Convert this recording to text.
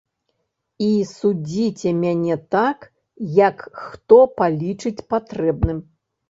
І судзіце мяне так, як хто палічыць патрэбным.